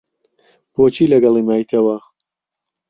بۆچی لەگەڵی مایتەوە؟